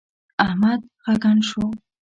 احمد ږغن شو.